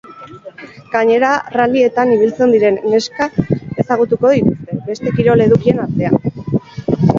Gainera, rallyetan ibiltzen diren neskak ezagutuko dituzte, beste kirol edukien artean.